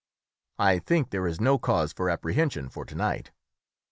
"I think there is no cause of apprehension for to night."